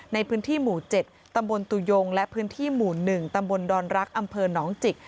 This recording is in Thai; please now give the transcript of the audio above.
ในพื้นที่หมู่๗ตำบลตุยงและพื้นที่หมู่๑ตำบลดอนรักอำเภอหนองจิก